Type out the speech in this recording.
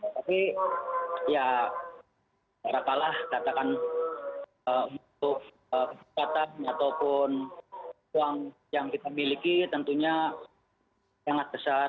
tapi ya cara kalah katakan untuk kesempatan ataupun uang yang kita miliki tentunya sangat besar